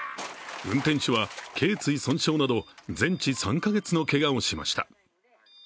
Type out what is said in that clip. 運転手はけい堆損傷など全治３か月のけがをしました。